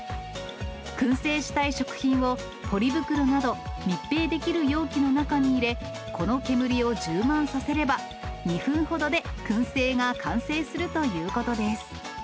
くん製したい食品をポリ袋など密閉できる容器の中に入れ、この煙を充満させれば、２分ほどでくん製が完成するということです。